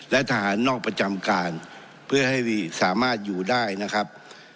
และทหารนอกประจำการเพื่อให้สามารถอยู่ได้นะครับ